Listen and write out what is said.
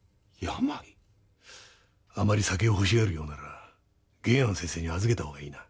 あまり酒を欲しがるようなら玄庵先生に預けた方がいいな。